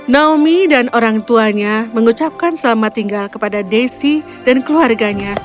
naomi dan orang tuanya mengucapkan selamat tinggal kepada desi dan keluarganya